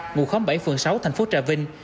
ngụ khống bảy phường sáu thành phố trà vinh